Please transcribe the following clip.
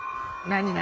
何？